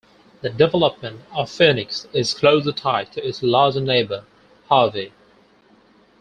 The development of Phoenix is closely tied to its larger neighbor, Harvey.